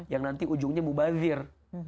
yang nanti ujungnya mubazir